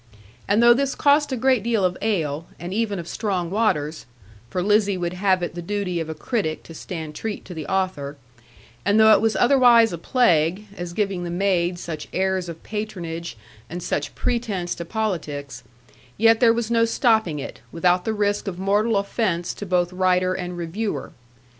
And though this cost a great deal of ale, and even of strong waters (for Lizzie would have it the duty of a critic to stand treat to the author), and though it was otherwise a plague, as giving the maid such airs of patronage, and such pretence to politics; yet there was no stopping it, without the risk of mortal offence to both writer and reviewer.